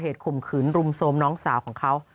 ข่มขืนรุมโทรมน้องสาวของเขา